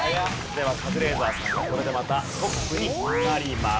ではカズレーザーさんがこれでまたトップになります。